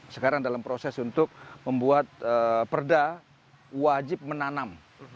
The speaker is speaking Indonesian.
sekarang dalam proses untuk membuat perda wajib menanam